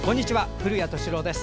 古谷敏郎です。